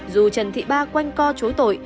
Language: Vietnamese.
dù trần thị ba quanh co chối tội